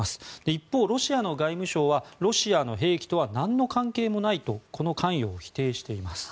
一方、ロシアの外務省はロシアの兵器とはなんの関係もないとこの関与を否定しています。